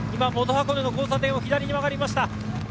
元箱根の交差点を左に曲がりました。